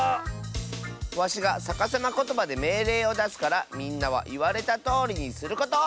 わしがさかさまことばでめいれいをだすからみんなはいわれたとおりにすること！